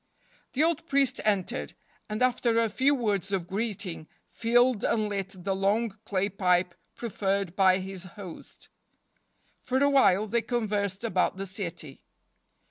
The old priest entered, and, after a few words of greeting, filled and lit the long clay pipe proffered by his host. For awhile they conversed about the city.